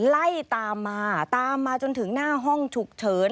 ไล่ตามมาตามมาจนถึงหน้าห้องฉุกเฉิน